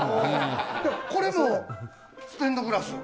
これもステンドグラス？